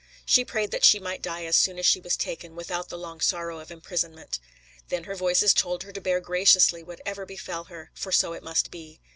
She prayed that she might die as soon as she was taken, without the long sorrow of imprisonment. Then her Voices told her to bear graciously whatever befell her, for so it must be.